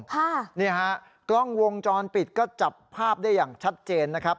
ค่ะนี่ฮะกล้องวงจรปิดก็จับภาพได้อย่างชัดเจนนะครับ